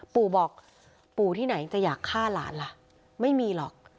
ปู่บอกปู่ที่ไหนจะอยากฆ่าหลานล่ะไม่มีหรอก